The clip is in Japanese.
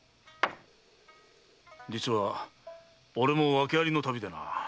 実は俺も訳ありの旅でな。